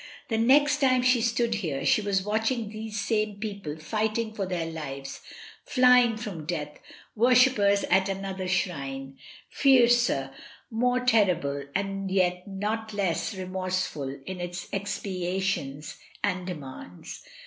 The next time she stood here, she was watching these same people fight ing for their lives, flying from death — worship .pers at another shrine, fiercer, more terrible, and INCENSE AND VIOLETS. 63 yet not less remorseless in its expiations and de mands.